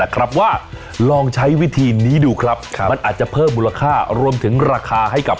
ครับว่าลองใช้วิธีนี้ดูครับมันอาจจะเพิ่มมูลค่ารวมถึงราคาให้กับ